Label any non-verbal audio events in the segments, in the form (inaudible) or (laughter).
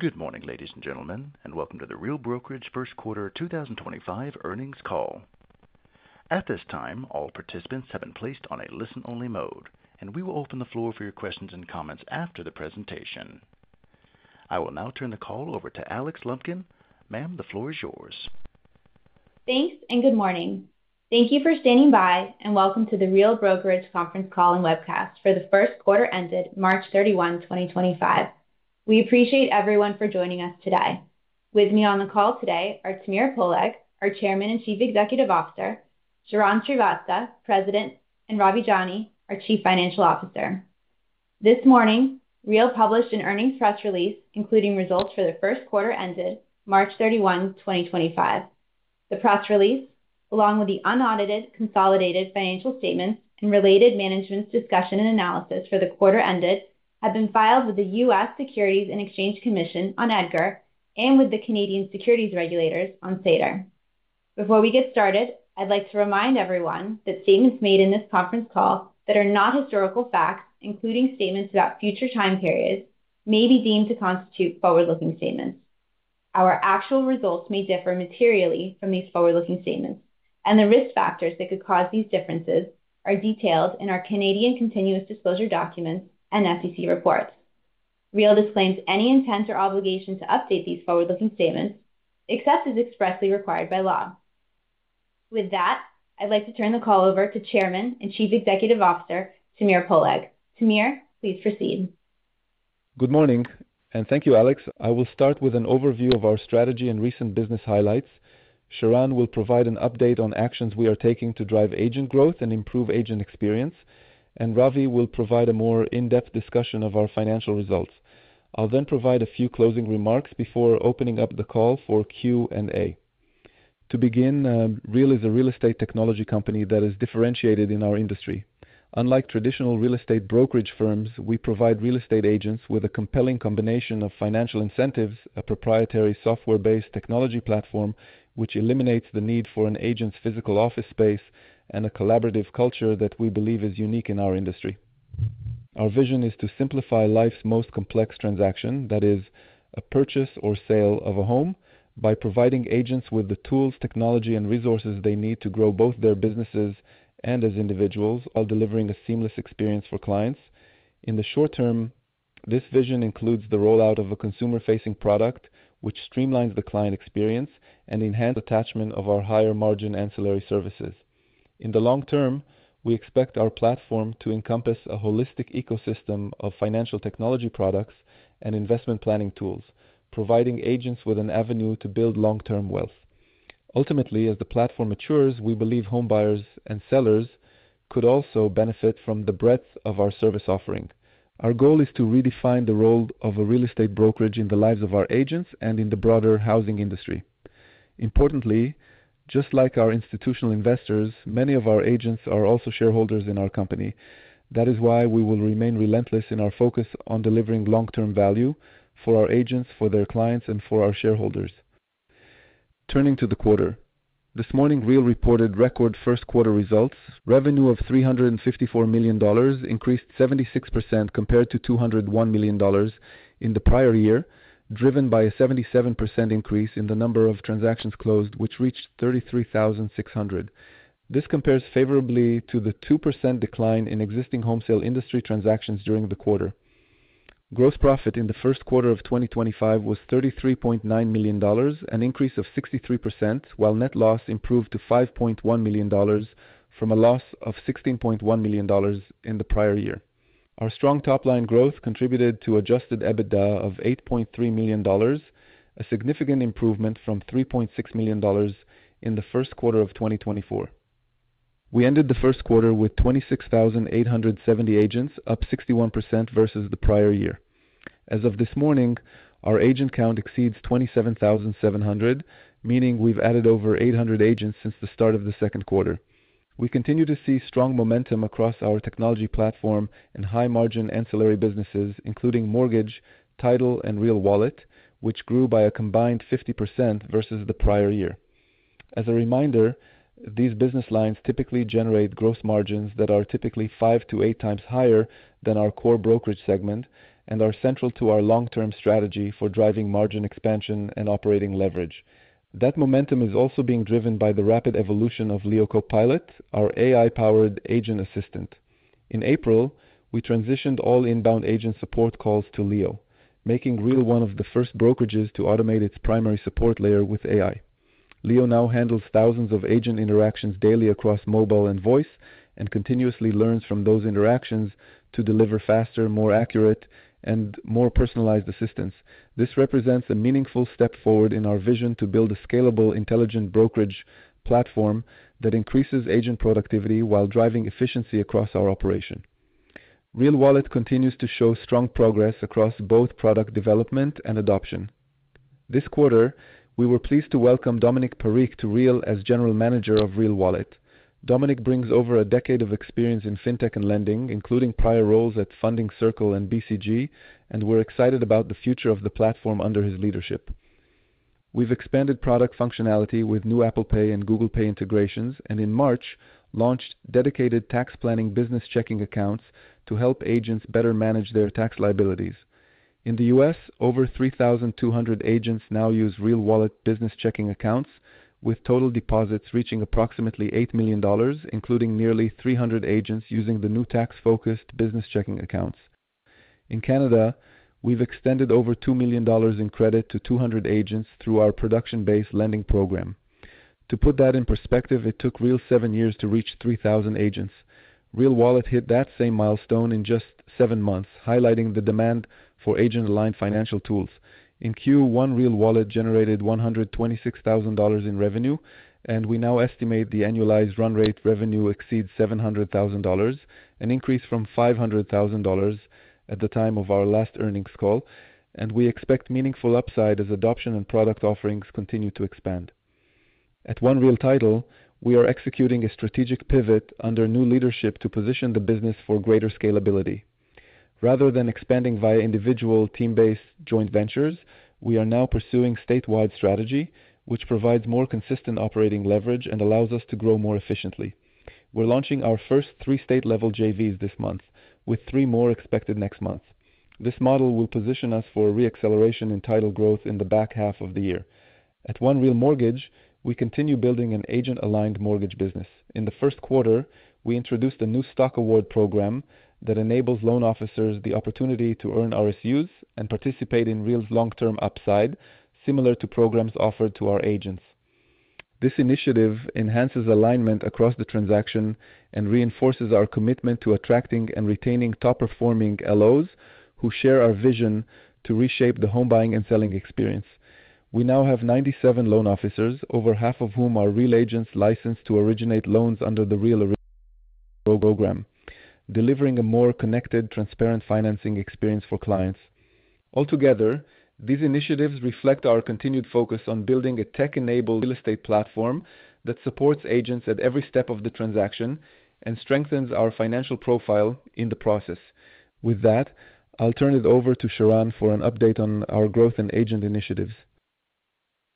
Good morning, ladies and gentlemen, and welcome to The Real Brokerage First Quarter 2025 earnings call. At this time, all participants have been placed on a listen-only mode, and we will open the floor for your questions and comments after the presentation. I will now turn the call over to Alix Lumpkin. Ma'am, the floor is yours. Thanks and good morning. Thank you for standing by and welcome to The Real Brokerage conference call and webcast for the first quarter ended March 31, 2025. We appreciate everyone for joining us today. With me on the call today are Tamir Poleg, our Chairman and Chief Executive Officer, Sharran Srivatsaa, President, and Ravi Jani, our Chief Financial Officer. This morning, Real published an earnings press release, including results for the first quarter ended March 31, 2025. The press release, along with the unaudited consolidated financial statements and related management's discussion and analysis for the quarter ended, have been filed with the U.S. Securities and Exchange Commission on EDGAR and with the Canadian securities regulators on SEDAR. Before we get started, I'd like to remind everyone that statements made in this conference call that are not historical facts, including statements about future time periods, may be deemed to constitute forward-looking statements. Our actual results may differ materially from these forward-looking statements, and the risk factors that could cause these differences are detailed in our Canadian continuous disclosure documents and SEC reports. Real disclaims any intent or obligation to update these forward-looking statements except as expressly required by law. With that, I'd like to turn the call over to Chairman and Chief Executive Officer Tamir Poleg. Tamir, please proceed. Good morning, and thank you, Alix. I will start with an overview of our strategy and recent business highlights. Sharran will provide an update on actions we are taking to drive agent growth and improve agent experience, and Ravi will provide a more in-depth discussion of our financial results. I'll then provide a few closing remarks before opening up the call for Q&A. To begin, Real is a real estate technology company that is differentiated in our industry. Unlike traditional real estate brokerage firms, we provide real estate agents with a compelling combination of financial incentives, a proprietary software-based technology platform which eliminates the need for an agent's physical office space, and a collaborative culture that we believe is unique in our industry. Our vision is to simplify life's most complex transaction, that is, a purchase or sale of a home, by providing agents with the tools, technology, and resources they need to grow both their businesses and as individuals while delivering a seamless experience for clients. In the short term, this vision includes the rollout of a consumer-facing product which streamlines the client experience and enhances attachment of our higher-margin ancillary services. In the long term, we expect our platform to encompass a holistic ecosystem of financial technology products and investment planning tools, providing agents with an avenue to build long-term wealth. Ultimately, as the platform matures, we believe home buyers and sellers could also benefit from the breadth of our service offering. Our goal is to redefine the role of a real estate brokerage in the lives of our agents and in the broader housing industry. Importantly, just like our institutional investors, many of our agents are also shareholders in our company. That is why we will remain relentless in our focus on delivering long-term value for our agents, for their clients, and for our shareholders. Turning to the quarter, this morning Real reported record first quarter results. Revenue of $354 million increased 76% compared to $201 million in the prior year, driven by a 77% increase in the number of transactions closed, which reached 33,600. This compares favorably to the 2% decline in existing home sale industry transactions during the quarter. Gross profit in the first quarter of 2025 was $33.9 million, an increase of 63%, while net loss improved to $5.1 million from a loss of $16.1 million in the prior year. Our strong top-line growth contributed to adjusted EBITDA of $8.3 million, a significant improvement from $3.6 million in the first quarter of 2024. We ended the first quarter with 26,870 agents, up 61% versus the prior year. As of this morning, our agent count exceeds 27,700, meaning we've added over 800 agents since the start of the second quarter. We continue to see strong momentum across our technology platform and high-margin ancillary businesses, including Mortgage, Title, and Real Wallet, which grew by a combined 50% versus the prior year. As a reminder, these business lines typically generate gross margins that are typically five to eight times higher than our core brokerage segment and are central to our long-term strategy for driving margin expansion and operating leverage. That momentum is also being driven by the rapid evolution of Leo CoPilot, our AI-powered agent assistant. In April, we transitioned all inbound agent support calls to Leo, making Real one of the first brokerages to automate its primary support layer with AI. Leo now handles thousands of agent interactions daily across mobile and voice and continuously learns from those interactions to deliver faster, more accurate, and more personalized assistance. This represents a meaningful step forward in our vision to build a scalable, intelligent brokerage platform that increases agent productivity while driving efficiency across our operation. Real Wallet continues to show strong progress across both product development and adoption. This quarter, we were pleased to welcome Dominic Parikh to Real as General Manager of Real Wallet. Dominic brings over a decade of experience in fintech and lending, including prior roles at Funding Circle and BCG, and we're excited about the future of the platform under his leadership. We've expanded product functionality with new Apple Pay and Google Pay integrations, and in March launched dedicated tax planning business checking accounts to help agents better manage their tax liabilities. In the U.S., over 3,200 agents now use Real Wallet business checking accounts, with total deposits reaching approximately $8 million, including nearly 300 agents using the new tax-focused business checking accounts. In Canada, we've extended over $2 million in credit to 200 agents through our production-based lending program. To put that in perspective, it took Real seven years to reach 3,000 agents. Real Wallet hit that same milestone in just seven months, highlighting the demand for agent-aligned financial tools. In Q1, Real Wallet generated $126,000 in revenue, and we now estimate the annualized run rate revenue exceeds $700,000, an increase from $500,000 at the time of our last earnings call, and we expect meaningful upside as adoption and product offerings continue to expand. At One Real Title, we are executing a strategic pivot under new leadership to position the business for greater scalability. Rather than expanding via individual, team-based, joint ventures, we are now pursuing a statewide strategy, which provides more consistent operating leverage and allows us to grow more efficiently. We're launching our first three state-level JVs this month, with three more expected next month. This model will position us for re-acceleration in title growth in the back half of the year. At One Real Mortgage, we continue building an agent-aligned mortgage business. In the first quarter, we introduced a new stock award program that enables loan officers the opportunity to earn RSUs and participate in Real's long-term upside, similar to programs offered to our agents. This initiative enhances alignment across the transaction and reinforces our commitment to attracting and retaining top-performing LOs who share our vision to reshape the home buying and selling experience. We now have 97 loan officers, over half of whom are Real agents licensed to originate loans under the Real (audio distortion) Program, delivering a more connected, transparent financing experience for clients. Altogether, these initiatives reflect our continued focus on building a tech-enabled real estate platform that supports agents at every step of the transaction and strengthens our financial profile in the process. With that, I'll turn it over to Sharran for an update on our growth and agent initiatives.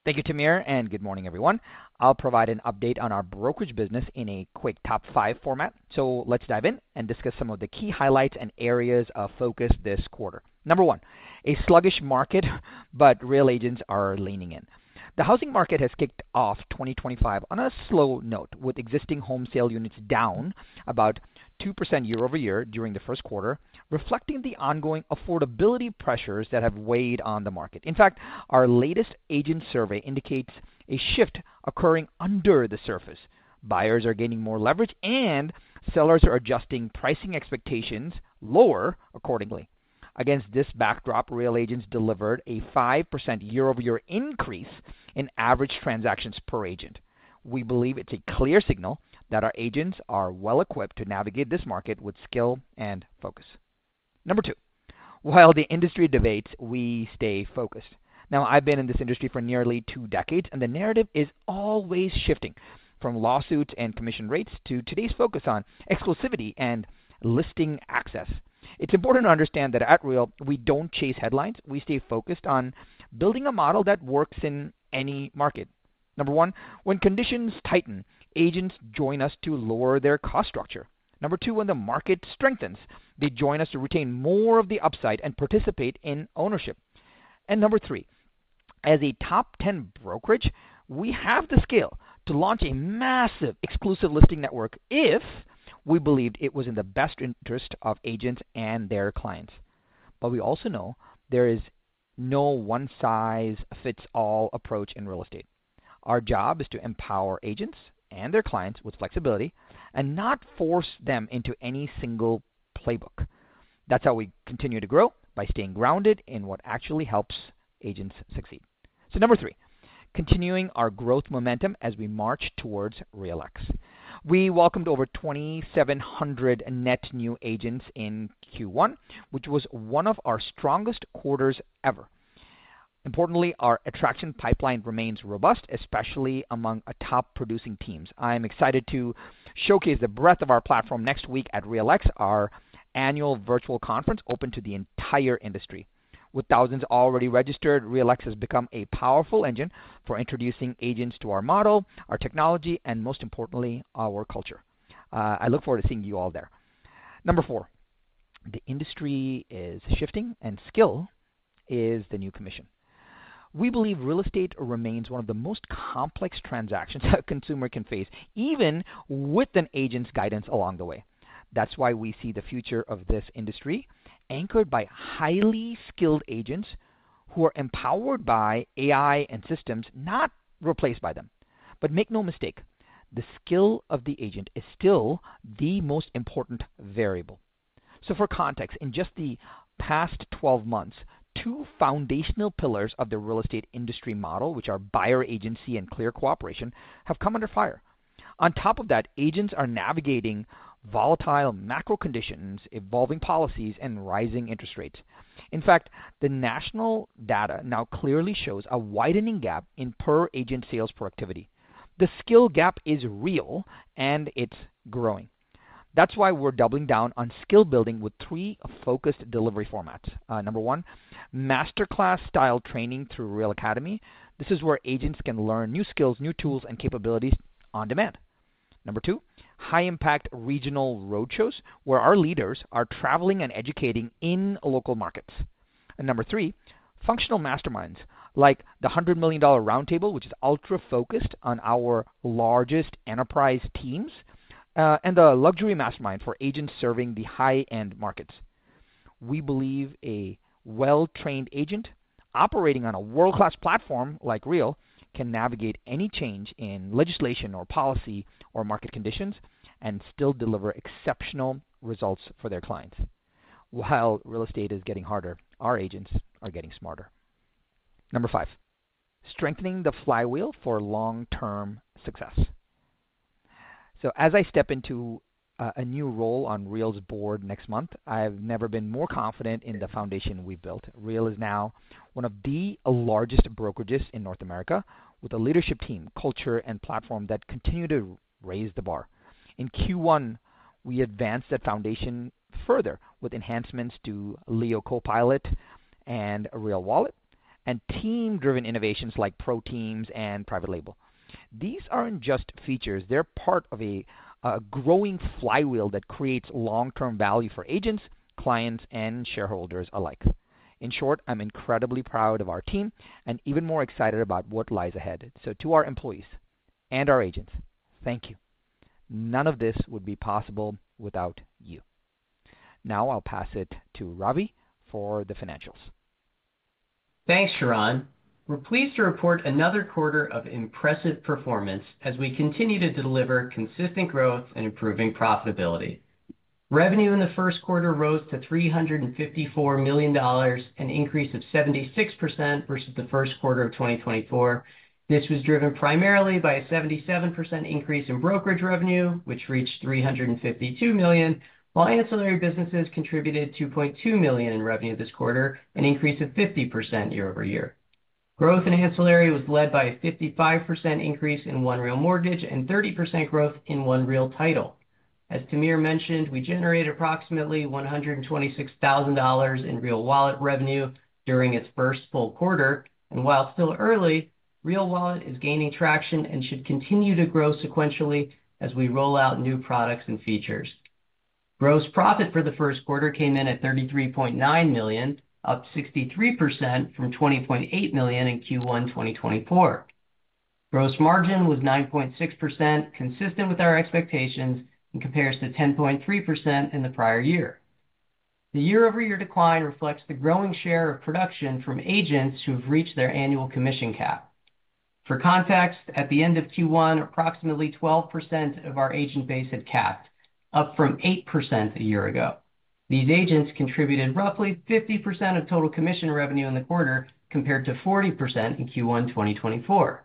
Thank you, Tamir, and good morning, everyone. I'll provide an update on our brokerage business in a quick top-five format, so let's dive in and discuss some of the key highlights and areas of focus this quarter. Number one, a sluggish market, but Real agents are leaning in. The housing market has kicked off 2025 on a slow note, with existing home sale units down about 2% year-over-year during the first quarter, reflecting the ongoing affordability pressures that have weighed on the market. In fact, our latest agent survey indicates a shift occurring under the surface. Buyers are gaining more leverage, and sellers are adjusting pricing expectations lower accordingly. Against this backdrop, Real agents delivered a 5% year-over-year increase in average transactions per agent. We believe it's a clear signal that our agents are well-equipped to navigate this market with skill and focus. Number two, while the industry debates, we stay focused. Now, I've been in this industry for nearly two decades, and the narrative is always shifting from lawsuits and commission rates to today's focus on exclusivity and listing access. It's important to understand that at Real, we don't chase headlines. We stay focused on building a model that works in any market. Number one, when conditions tighten, agents join us to lower their cost structure. Number two, when the market strengthens, they join us to retain more of the upside and participate in ownership. Number three, as a top-ten brokerage, we have the skill to launch a massive exclusive listing network if we believed it was in the best interest of agents and their clients. We also know there is no one-size-fits-all approach in real estate. Our job is to empower agents and their clients with flexibility and not force them into any single playbook. That is how we continue to grow, by staying grounded in what actually helps agents succeed. Number three, continuing our growth momentum as we march towards REALx. We welcomed over 2,700 net new agents in Q1, which was one of our strongest quarters ever. Importantly, our attraction pipeline remains robust, especially among top-producing teams. I am excited to showcase the breadth of our platform next week at REALx, our annual virtual conference open to the entire industry. With thousands already registered, REALx has become a powerful engine for introducing agents to our model, our technology, and most importantly, our culture. I look forward to seeing you all there. Number four, the industry is shifting, and skill is the new commission. We believe real estate remains one of the most complex transactions a consumer can face, even with an agent's guidance along the way. That is why we see the future of this industry anchored by highly skilled agents who are empowered by AI and systems, not replaced by them. Make no mistake, the skill of the agent is still the most important variable. For context, in just the past 12 months, two foundational pillars of the real estate industry model, which are Buyer Agency and Clear Cooperation, have come under fire. On top of that, agents are navigating volatile macro conditions, evolving policies, and rising interest rates. In fact, the national data now clearly shows a widening gap in per-agent sales productivity. The skill gap is real, and it is growing. That is why we are doubling down on skill building with three focused delivery formats. Number one, Masterclass-style training through Real Academy. This is where agents can learn new skills, new tools, and capabilities on demand. Number two, high-impact regional roadshows, where our leaders are traveling and educating in local markets. Number three, Functional Masterminds like the $100 million Roundtable, which is ultra-focused on our largest enterprise teams, and the Luxury Mastermind for agents serving the high-end markets. We believe a well-trained agent operating on a world-class platform like Real can navigate any change in legislation or policy or market conditions and still deliver exceptional results for their clients. While real estate is getting harder, our agents are getting smarter. Number five, strengthening the flywheel for long-term success. As I step into a new role on Real's board next month, I have never been more confident in the foundation we have built. Real is now one of the largest brokerages in North America, with a leadership team, culture, and platform that continue to raise the bar. In Q1, we advanced that foundation further with enhancements to Leo CoPilot and Real Wallet, and team-driven innovations like ProTeams and Private Label. These are not just features. They are part of a growing flywheel that creates long-term value for agents, clients, and shareholders alike. In short, I am incredibly proud of our team and even more excited about what lies ahead. To our employees and our agents, thank you. None of this would be possible without you. Now I will pass it to Ravi for the financials. Thanks, Sharran. We're pleased to report another quarter of impressive performance as we continue to deliver consistent growth and improving profitability. Revenue in the first quarter rose to $354 million, an increase of 76% versus the first quarter of 2024. This was driven primarily by a 77% increase in brokerage revenue, which reached $352 million, while ancillary businesses contributed $2.2 million in revenue this quarter, an increase of 50% year-over-year. Growth in ancillary was led by a 55% increase in One Real Mortgage and 30% growth in One Real Title. As Tamir mentioned, we generated approximately $126,000 in Real Wallet revenue during its first full quarter, and while still early, Real Wallet is gaining traction and should continue to grow sequentially as we roll out new products and features. Gross profit for the first quarter came in at $33.9 million, up 63% from $20.8 million in Q1 2024. Gross margin was 9.6%, consistent with our expectations, in comparison to 10.3% in the prior year. The year-over-year decline reflects the growing share of production from agents who have reached their annual commission cap. For context, at the end of Q1, approximately 12% of our agent base had capped, up from 8% a year ago. These agents contributed roughly 50% of total commission revenue in the quarter, compared to 40% in Q1 2024.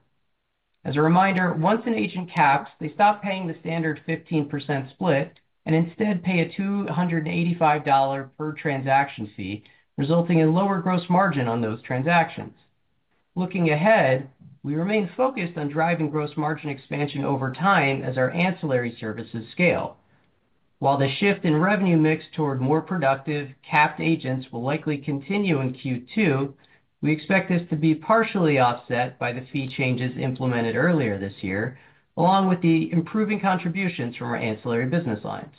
As a reminder, once an agent caps, they stop paying the standard 15% split and instead pay a $285 per transaction fee, resulting in lower gross margin on those transactions. Looking ahead, we remain focused on driving gross margin expansion over time as our ancillary services scale. While the shift in revenue mix toward more productive capped agents will likely continue in Q2, we expect this to be partially offset by the fee changes implemented earlier this year, along with the improving contributions from our ancillary business lines.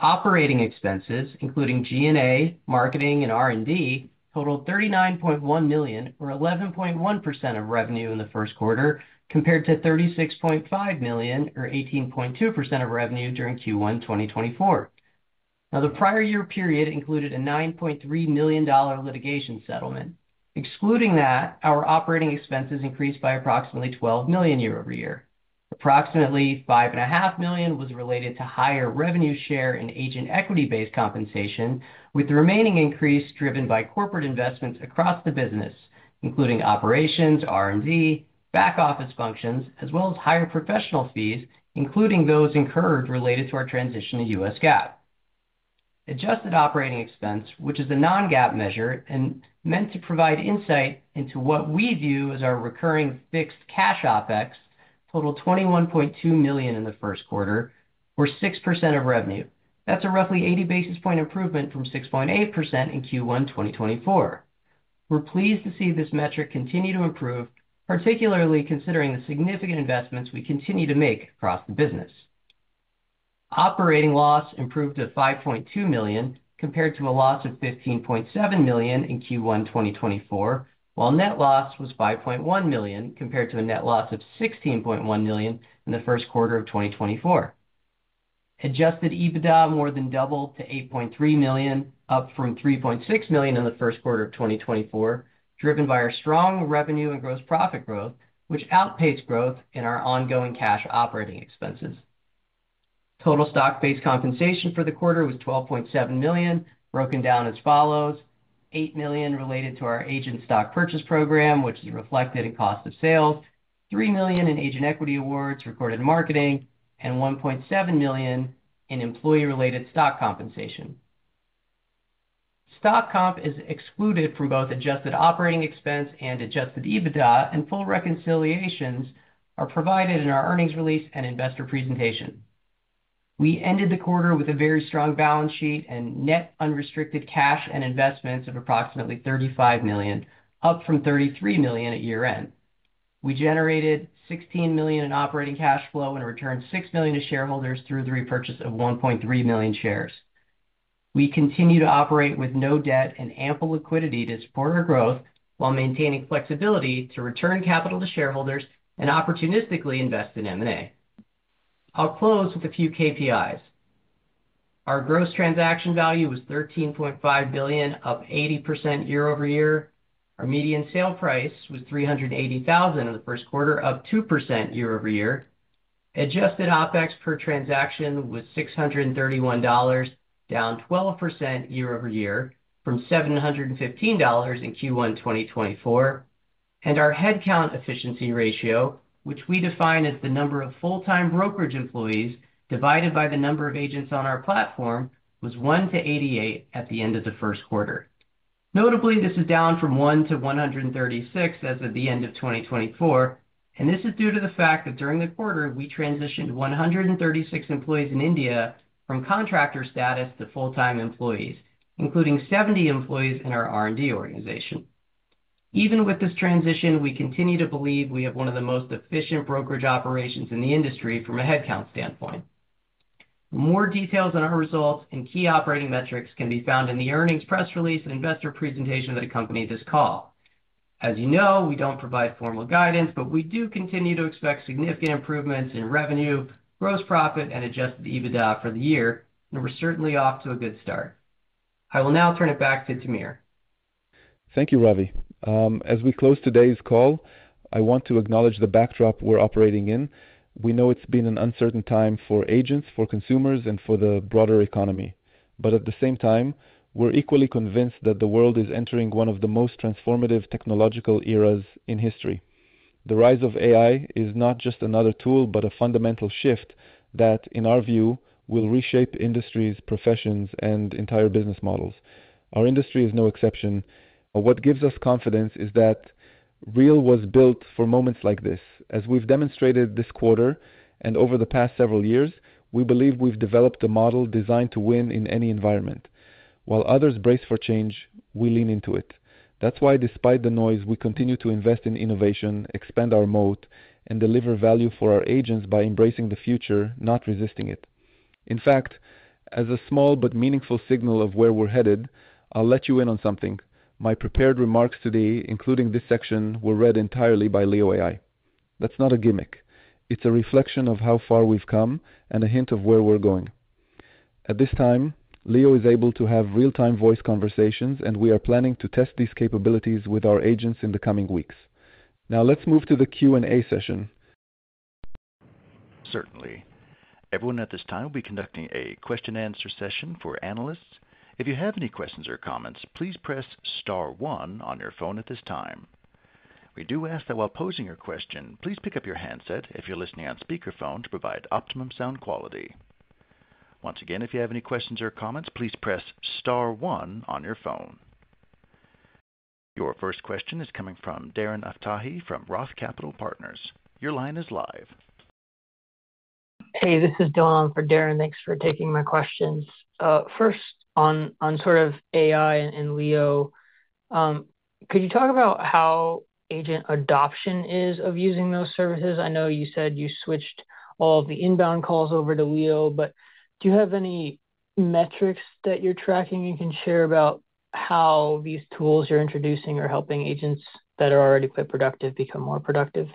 Operating expenses, including G&A, marketing, and R&D, totaled $39.1 million, or 11.1% of revenue in the first quarter, compared to $36.5 million, or 18.2% of revenue during Q1 2024. Now, the prior year period included a $9.3 million litigation settlement. Excluding that, our operating expenses increased by approximately $12 million year-over-year. Approximately $5.5 million was related to higher revenue share in agent equity-based compensation, with the remaining increase driven by corporate investments across the business, including operations, R&D, back-office functions, as well as higher professional fees, including those incurred related to our transition to US GAAP. Adjusted operating expense, which is a non-GAAP measure and meant to provide insight into what we view as our recurring fixed cash OpEx, totaled $21.2 million in the first quarter, or 6% of revenue. That's a roughly 80 basis point improvement from 6.8% in Q1 2024. We're pleased to see this metric continue to improve, particularly considering the significant investments we continue to make across the business. Operating loss improved to $5.2 million compared to a loss of $15.7 million in Q1 2024, while net loss was $5.1 million compared to a net loss of $16.1 million in the first quarter of 2024. Adjusted EBITDA more than doubled to $8.3 million, up from $3.6 million in the first quarter of 2024, driven by our strong revenue and gross profit growth, which outpaced growth in our ongoing cash operating expenses. Total stock-based compensation for the quarter was $12.7 million, broken down as follows: $8 million related to our agent stock purchase program, which is reflected in cost of sales, $3 million in agent equity awards recorded in marketing, and $1.7 million in employee-related stock compensation. Stock comp is excluded from both adjusted operating expense and adjusted EBITDA, and full reconciliations are provided in our earnings release and investor presentation. We ended the quarter with a very strong balance sheet and net unrestricted cash and investments of approximately $35 million, up from $33 million at year-end. We generated $16 million in operating cash flow and returned $6 million to shareholders through the repurchase of 1.3 million shares. We continue to operate with no debt and ample liquidity to support our growth while maintaining flexibility to return capital to shareholders and opportunistically invest in M&A. I'll close with a few KPIs. Our gross transaction value was $13.5 billion, up 80% year-over-year. Our median sale price was $380,000 in the first quarter, up 2% year-over-year. Adjusted OpEx per transaction was $631, down 12% year-over-year from $715 in Q1 2024. Our headcount efficiency ratio, which we define as the number of full-time brokerage employees divided by the number of agents on our platform, was 1:88 at the end of the first quarter. Notably, this is down from 1:136 as of the end of 2024, and this is due to the fact that during the quarter, we transitioned 136 employees in India from contractor status to full-time employees, including 70 employees in our R&D organization. Even with this transition, we continue to believe we have one of the most efficient brokerage operations in the industry from a headcount standpoint. More details on our results and key operating metrics can be found in the earnings press release and investor presentation that accompanied this call. As you know, we do not provide formal guidance, but we do continue to expect significant improvements in revenue, gross profit, and adjusted EBITDA for the year, and we are certainly off to a good start. I will now turn it back to Tamir. Thank you, Ravi. As we close today's call, I want to acknowledge the backdrop we're operating in. We know it's been an uncertain time for agents, for consumers, and for the broader economy. At the same time, we're equally convinced that the world is entering one of the most transformative technological eras in history. The rise of AI is not just another tool but a fundamental shift that, in our view, will reshape industries, professions, and entire business models. Our industry is no exception. What gives us confidence is that Real was built for moments like this. As we've demonstrated this quarter and over the past several years, we believe we've developed a model designed to win in any environment. While others brace for change, we lean into it. That's why, despite the noise, we continue to invest in innovation, expand our moat, and deliver value for our agents by embracing the future, not resisting it. In fact, as a small but meaningful signal of where we're headed, I'll let you in on something. My prepared remarks today, including this section, were read entirely by Leo AI. That's not a gimmick. It's a reflection of how far we've come and a hint of where we're going. At this time, Leo is able to have real-time voice conversations, and we are planning to test these capabilities with our agents in the coming weeks. Now, let's move to the Q&A session. Certainly. Everyone at this time will be conducting a question-and-answer session for analysts. If you have any questions or comments, please press star one on your phone at this time. We do ask that while posing your question, please pick up your handset if you're listening on speakerphone to provide optimum sound quality. Once again, if you have any questions or comments, please press star one on your phone. Your first question is coming from Darren Aftahi from Roth Capital Partners. Your line is live. Hey, this is Dillon for Darren. Thanks for taking my questions. First, on sort of AI and Leo, could you talk about how agent adoption is of using those services? I know you said you switched all of the inbound calls over to Leo, but do you have any metrics that you're tracking and can share about how these tools you're introducing are helping agents that are already quite productive become more productive?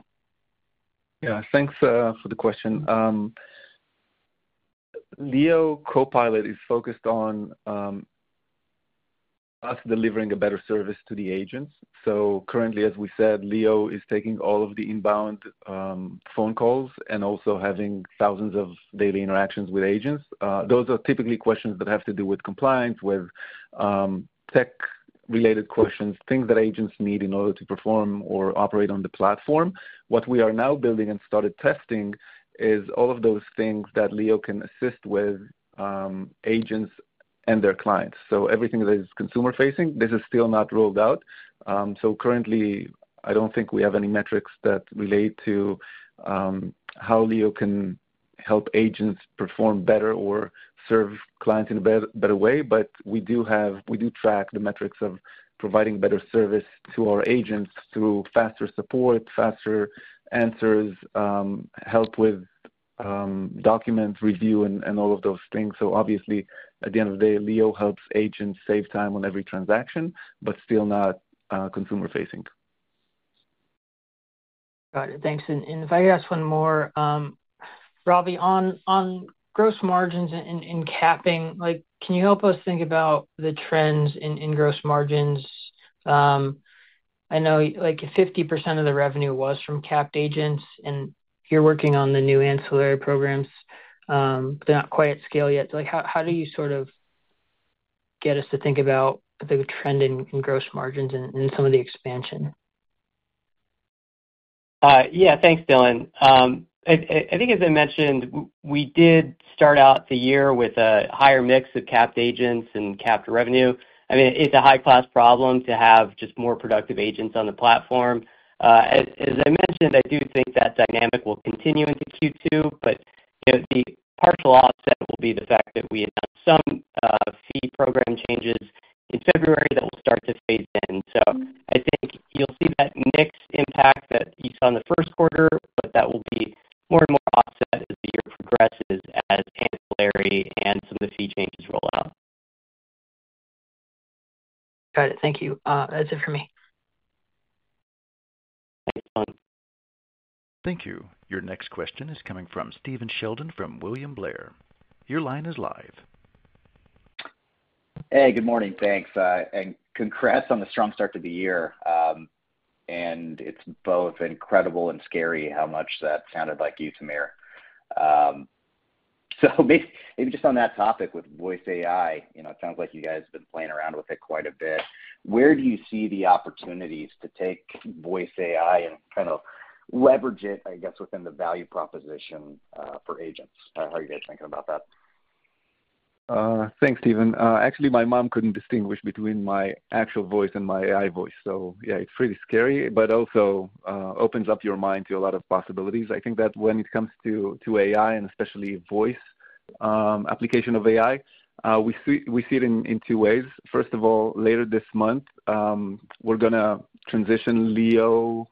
Yeah, thanks for the question. Leo CoPilot is focused on us delivering a better service to the agents. Currently, as we said, Leo is taking all of the inbound phone calls and also having thousands of daily interactions with agents. Those are typically questions that have to do with compliance, with tech-related questions, things that agents need in order to perform or operate on the platform. What we are now building and started testing is all of those things that Leo can assist with agents and their clients. Everything that is consumer-facing, this is still not rolled out. Currently, I don't think we have any metrics that relate to how Leo can help agents perform better or serve clients in a better way, but we do track the metrics of providing better service to our agents through faster support, faster answers, help with document review, and all of those things. Obviously, at the end of the day, Leo helps agents save time on every transaction, but still not consumer-facing. Got it. Thanks. If I could ask one more, Ravi, on gross margins and capping, can you help us think about the trends in gross margins? I know 50% of the revenue was from capped agents, and you're working on the new ancillary programs, but they're not quite at scale yet. How do you sort of get us to think about the trend in gross margins and some of the expansion? Yeah, thanks, Dillon. I think, as I mentioned, we did start out the year with a higher mix of capped agents and capped revenue. I mean, it's a high-class problem to have just more productive agents on the platform. As I mentioned, I do think that dynamic will continue into Q2, but the partial offset will be the fact that we announced some fee program changes in February that will start to phase in. I think you'll see that mixed impact that you saw in the first quarter, but that will be more and more offset as the year progresses as ancillary and some of the fee changes roll out. Got it. Thank you. That's it for me. (audio distortion) Thank you. Your next question is coming from Stephen Sheldon from William Blair. Your line is live. Hey, good morning. Thanks. Congrats on the strong start to the year. It is both incredible and scary how much that sounded like you, Tamir. Maybe just on that topic with Voice AI, it sounds like you guys have been playing around with it quite a bit. Where do you see the opportunities to take Voice AI and kind of leverage it, I guess, within the value proposition for agents? How are you guys thinking about that? Thanks, Stephen. Actually, my mom could not distinguish between my actual voice and my AI voice. So yeah, it is pretty scary, but also opens up your mind to a lot of possibilities. I think that when it comes to AI and especially voice application of AI, we see it in two ways. First of all, later this month, we are going to transition Leo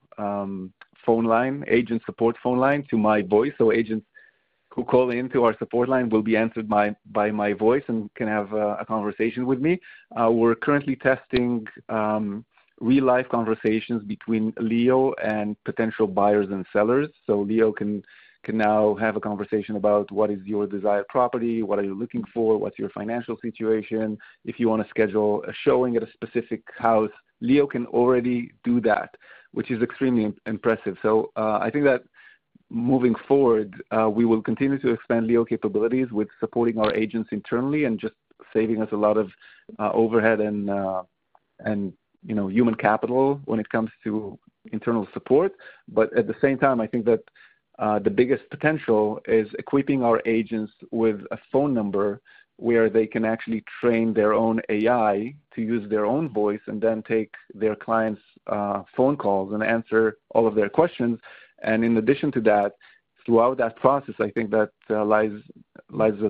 phone line, agent support phone line, to my voice. So agents who call into our support line will be answered by my voice and can have a conversation with me. We are currently testing real-life conversations between Leo and potential buyers and sellers. So Leo can now have a conversation about, "What is your desired property? What are you looking for? What is your financial situation? If you want to schedule a showing at a specific house," Leo can already do that, which is extremely impressive. I think that moving forward, we will continue to expand Leo capabilities with supporting our agents internally and just saving us a lot of overhead and human capital when it comes to internal support. At the same time, I think that the biggest potential is equipping our agents with a phone number where they can actually train their own AI to use their own voice and then take their clients' phone calls and answer all of their questions. In addition to that, throughout that process, I think that lies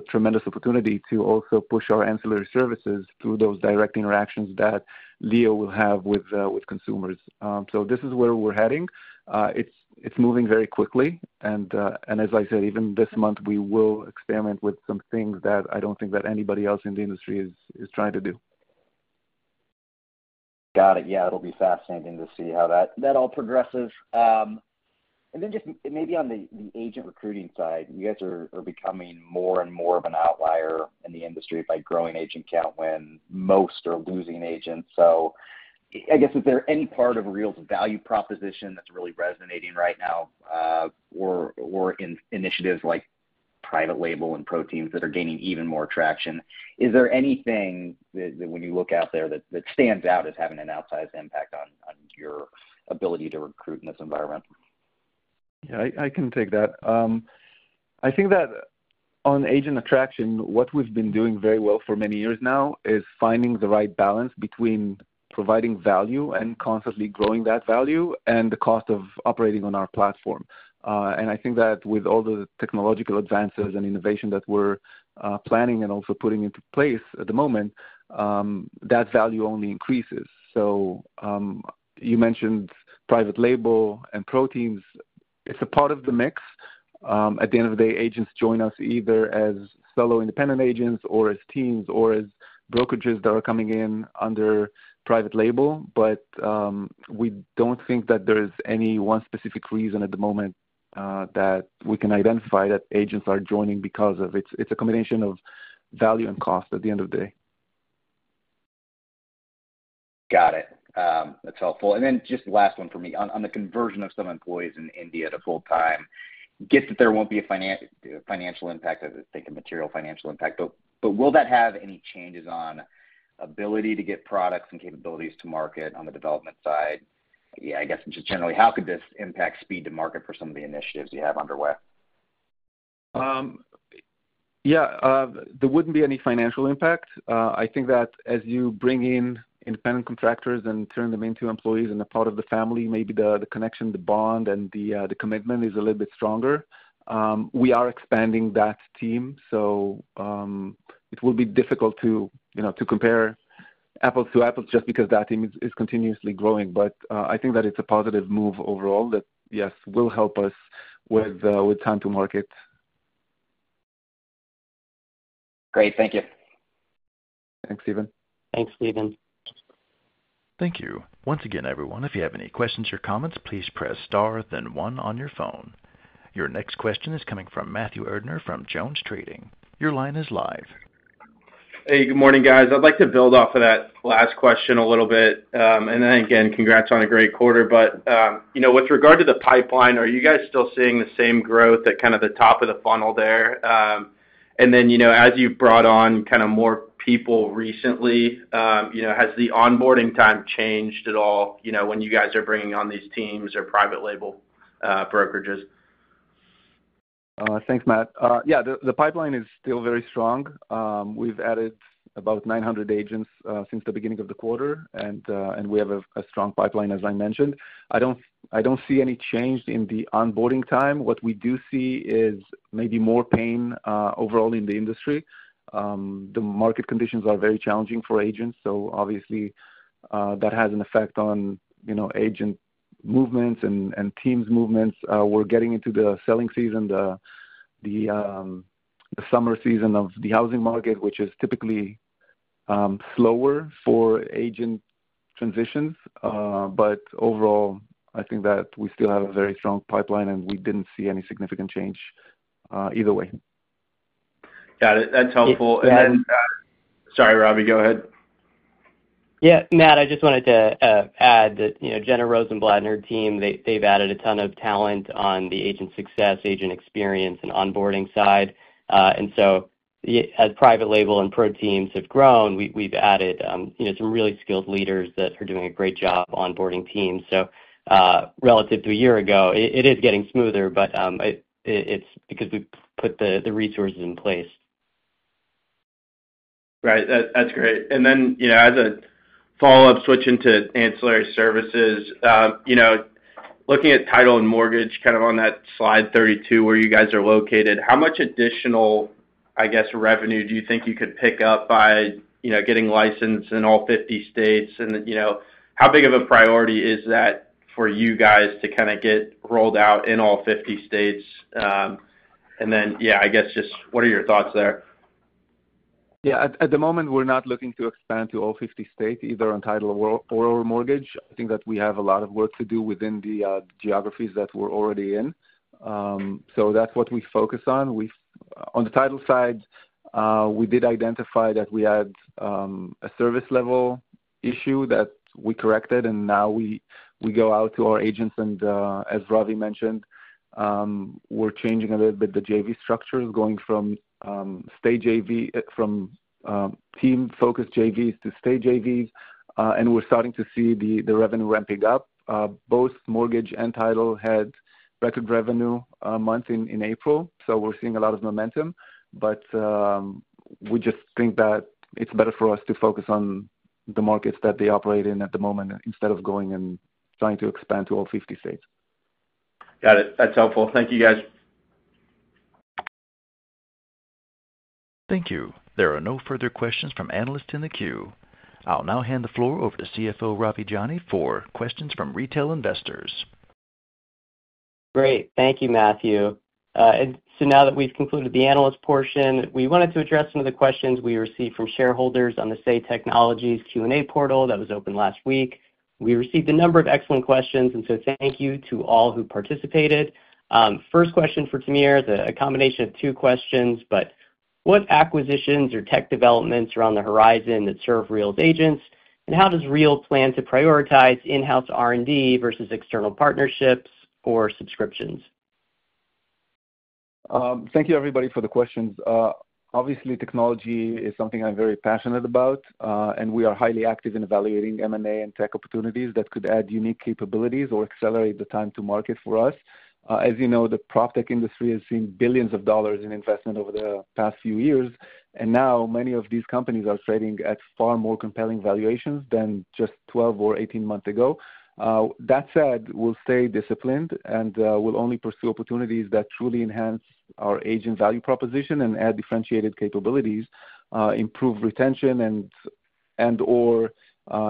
a tremendous opportunity to also push our ancillary services through those direct interactions that Leo will have with consumers. This is where we're heading. It's moving very quickly. As I said, even this month, we will experiment with some things that I don't think that anybody else in the industry is trying to do. Got it. Yeah, it'll be fascinating to see how that all progresses. Just maybe on the agent recruiting side, you guys are becoming more and more of an outlier in the industry by growing agent count when most are losing agents. I guess, is there any part of Real's value proposition that's really resonating right now or initiatives like Private Label and ProTeams that are gaining even more traction? Is there anything that, when you look out there, stands out as having an outsized impact on your ability to recruit in this environment? Yeah, I can take that. I think that on agent attraction, what we've been doing very well for many years now is finding the right balance between providing value and constantly growing that value and the cost of operating on our platform. I think that with all the technological advances and innovation that we're planning and also putting into place at the moment, that value only increases. You mentioned Private Label and ProTeams. It's a part of the mix. At the end of the day, agents join us either as solo independent agents or as teams or as brokerages that are coming in under Private Label. We don't think that there is any one specific reason at the moment that we can identify that agents are joining because of it. It's a combination of value and cost at the end of the day. Got it. That's helpful. Just the last one for me. On the conversion of some employees in India to full-time, I get that there won't be a financial impact, I think, a material financial impact, but will that have any changes on ability to get products and capabilities to market on the development side? Yeah, I guess just generally, how could this impact speed to market for some of the initiatives you have underway? Yeah, there would not be any financial impact. I think that as you bring in independent contractors and turn them into employees and a part of the family, maybe the connection, the bond, and the commitment is a little bit stronger. We are expanding that team, so it will be difficult to compare apples to apples just because that team is continuously growing. I think that it is a positive move overall that, yes, will help us with time to market. Great. Thank you. Thanks, Stephen. Thanks, Stephen. Thank you. Once again, everyone, if you have any questions or comments, please press star, then one on your phone. Your next question is coming from Matthew Erdner from JonesTrading. Your line is live. Hey, good morning, guys. I'd like to build off of that last question a little bit. Again, congrats on a great quarter. With regard to the pipeline, are you guys still seeing the same growth at kind of the top of the funnel there? As you've brought on kind of more people recently, has the onboarding time changed at all when you guys are bringing on these teams or Private Label brokerages? Thanks, Matt. Yeah, the pipeline is still very strong. We've added about 900 agents since the beginning of the quarter, and we have a strong pipeline, as I mentioned. I don't see any change in the onboarding time. What we do see is maybe more pain overall in the industry. The market conditions are very challenging for agents. So obviously, that has an effect on agent movements and teams' movements. We're getting into the selling season, the summer season of the housing market, which is typically slower for agent transitions. Overall, I think that we still have a very strong pipeline, and we didn't see any significant change either way. Got it. That's helpful. And then. And. Sorry, Ravi, go ahead. Yeah, Matt, I just wanted to add that Jenna Rozenblat and her team, they've added a ton of talent on the agent success, agent experience, and onboarding side. As private label and ProTeams have grown, we've added some really skilled leaders that are doing a great job onboarding teams. Relative to a year ago, it is getting smoother, but it's because we put the resources in place. Right. That's great. As a follow-up, switching to ancillary services, looking at Title and Mortgage, kind of on that slide 32 where you guys are located, how much additional, I guess, revenue do you think you could pick up by getting licensed in all 50 states? How big of a priority is that for you guys to kind of get rolled out in all 50 states? I guess just what are your thoughts there? Yeah, at the moment, we're not looking to expand to all 50 states, either on Title or Mortgage. I think that we have a lot of work to do within the geographies that we're already in. That is what we focus on. On the Title side, we did identify that we had a service level issue that we corrected, and now we go out to our agents. As Ravi mentioned, we're changing a little bit the JV structures, going from team-focused JVs to state JVs. We're starting to see the revenue ramping up. Both Mortgage and Title had record revenue month in April, so we're seeing a lot of momentum. We just think that it's better for us to focus on the markets that they operate in at the moment instead of going and trying to expand to all 50 states. Got it. That's helpful. Thank you, guys. Thank you. There are no further questions from analysts in the queue. I'll now hand the floor over to CFO Ravi Jani for questions from retail investors. Great. Thank you, Matthew. Now that we've concluded the analyst portion, we wanted to address some of the questions we received from shareholders on the Say Technologies Q&A portal that was open last week. We received a number of excellent questions, so thank you to all who participated. First question for Tamir is a combination of two questions: what acquisitions or tech developments are on the horizon that serve Real's agents? How does Real plan to prioritize in-house R&D versus external partnerships or subscriptions? Thank you, everybody, for the questions. Obviously, technology is something I'm very passionate about, and we are highly active in evaluating M&A and tech opportunities that could add unique capabilities or accelerate the time to market for us. As you know, the proptech industry has seen billions of dollars in investment over the past few years, and now many of these companies are trading at far more compelling valuations than just 12 or 18 months ago. That said, we'll stay disciplined and will only pursue opportunities that truly enhance our agent value proposition and add differentiated capabilities, improve retention, and/or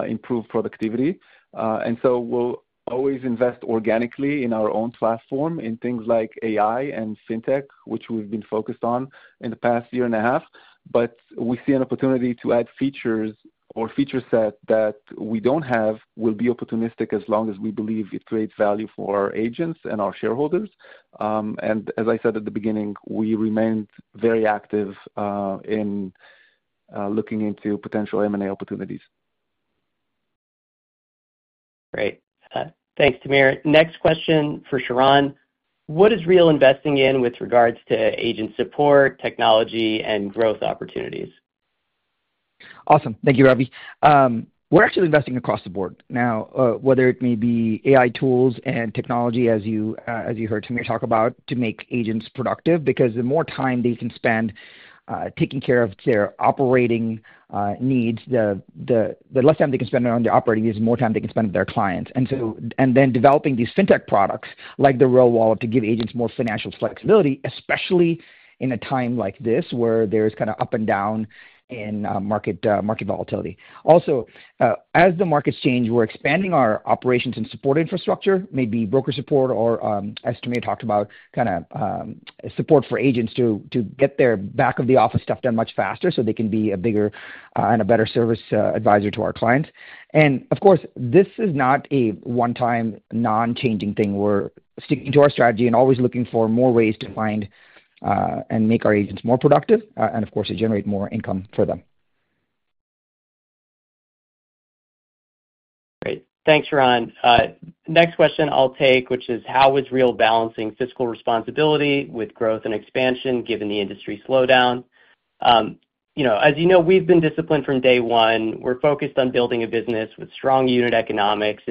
improve productivity. We will always invest organically in our own platform, in things like AI and fintech, which we've been focused on in the past year and a half. We see an opportunity to add features or feature sets that we do not have and will be opportunistic as long as we believe it creates value for our agents and our shareholders. As I said at the beginning, we remained very active in looking into potential M&A opportunities. Great. Thanks, Tamir. Next question for Sharran. What is Real investing in with regards to agent support, technology, and growth opportunities? Awesome. Thank you, Ravi. We're actually investing across the board now, whether it may be AI tools and technology, as you heard Tamir talk about, to make agents productive. Because the more time they can spend taking care of their operating needs, the less time they can spend on their operating needs, the more time they can spend with their clients. Then developing these fintech products like the Real Wallet, to give agents more financial flexibility, especially in a time like this where there's kind of up and down in market volatility. Also, as the markets change, we're expanding our operations and support infrastructure, maybe broker support, or as Tamir talked about, kind of support for agents to get their back-of-the-office stuff done much faster so they can be a bigger and a better service advisor to our clients. Of course, this is not a one-time non-changing thing. We're sticking to our strategy and always looking for more ways to find and make our agents more productive and, of course, to generate more income for them. Great. Thanks, Sharran. Next question I'll take, which is, how is Real balancing fiscal responsibility with growth and expansion given the industry slowdown? As you know, we've been disciplined from day one. We're focused on building a business with strong unit economics.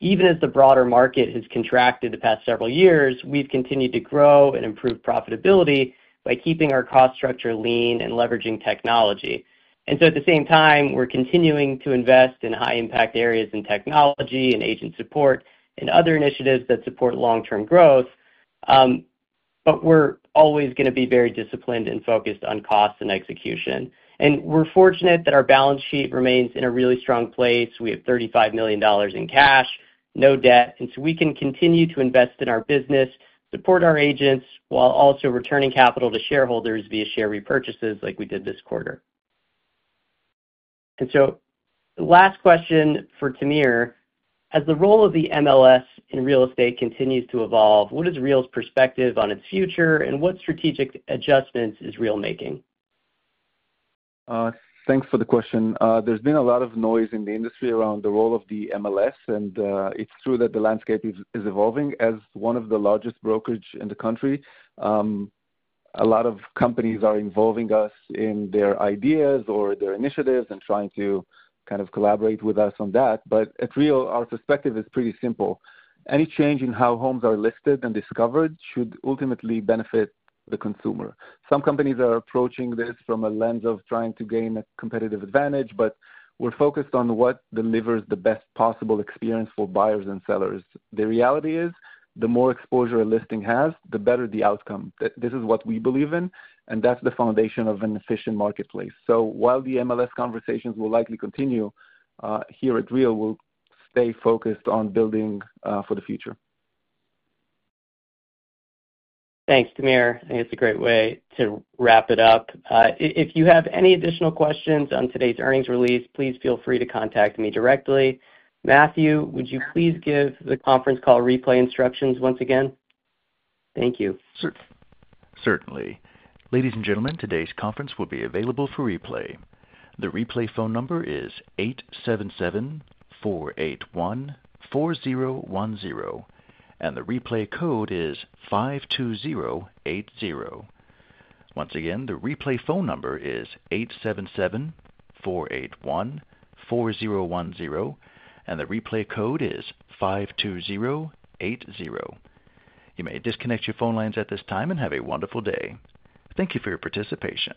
Even as the broader market has contracted the past several years, we've continued to grow and improve profitability by keeping our cost structure lean and leveraging technology. At the same time, we're continuing to invest in high-impact areas in technology and agent support and other initiatives that support long-term growth. We're always going to be very disciplined and focused on cost and execution. We're fortunate that our balance sheet remains in a really strong place. We have $35 million in cash, no debt. We can continue to invest in our business, support our agents, while also returning capital to shareholders via share repurchases like we did this quarter. Last question for Tamir. As the role of the MLS in real estate continues to evolve, what is Real's perspective on its future, and what strategic adjustments is Real making? Thanks for the question. There's been a lot of noise in the industry around the role of the MLS, and it's true that the landscape is evolving. As one of the largest brokerages in the country, a lot of companies are involving us in their ideas or their initiatives and trying to kind of collaborate with us on that. At Real, our perspective is pretty simple. Any change in how homes are listed and discovered should ultimately benefit the consumer. Some companies are approaching this from a lens of trying to gain a competitive advantage, but we're focused on what delivers the best possible experience for buyers and sellers. The reality is, the more exposure a listing has, the better the outcome. This is what we believe in, and that's the foundation of an efficient marketplace. While the MLS conversations will likely continue, here at Real, we'll stay focused on building for the future. Thanks, Tamir. I think it's a great way to wrap it up. If you have any additional questions on today's earnings release, please feel free to contact me directly. Matthew, would you please give the conference call replay instructions once again? Thank you. Certainly. Ladies and gentlemen, today's conference will be available for replay. The replay phone number is 877-481-4010, and the replay code is 52080. Once again, the replay phone number is 877-481-4010, and the replay code is 52080. You may disconnect your phone lines at this time and have a wonderful day. Thank you for your participation.